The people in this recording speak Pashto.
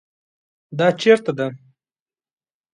دا چیرته ده؟